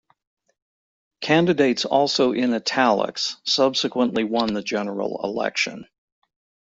Candidates also in "italics" subsequently won the general election.